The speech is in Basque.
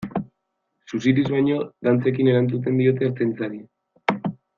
Suziriz baino, dantzekin erantzuten diote Ertzaintzari.